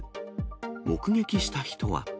目撃した人は。